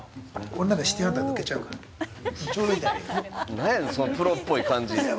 なんやねん、そのプロっぽい感じ。